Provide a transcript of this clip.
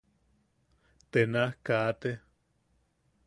Te naj kaate.